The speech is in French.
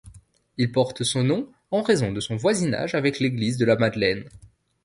Il porte ce nom en raison de son voisinage avec l'église de la Madeleine.